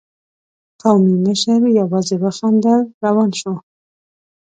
قومي مشر يواځې وخندل، روان شو.